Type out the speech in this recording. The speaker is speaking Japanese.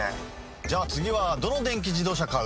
じゃ次はどの電気自動車買う？